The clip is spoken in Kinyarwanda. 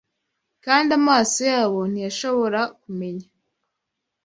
Kandi amaso yabo ntiyashobora kumenya